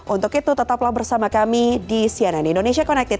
untuk itu tetaplah bersama kami di cnn indonesia connected